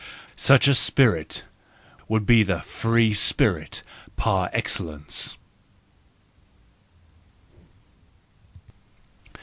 Such a spirit would be the free spirit par excellence.